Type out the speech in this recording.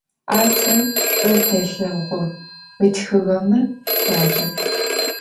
Ar te ş'u telheğu, ıtxığeme tyace.